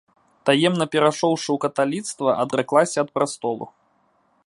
Таемна перайшоўшы ў каталіцтва, адраклася ад прастолу.